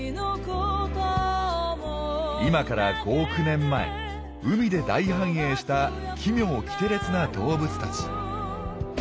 今から５億年前海で大繁栄した奇妙奇天烈な動物たち。